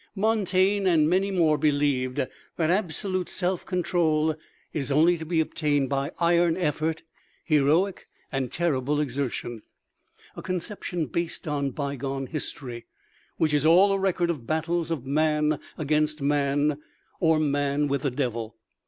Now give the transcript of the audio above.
MONTAIGNE, and many more, believed that absolute self control is only to be obtained by iron effort, heroic and terrible exertion a conception based on bygone History, which is all a record of battles of man against man, or man with the Devil.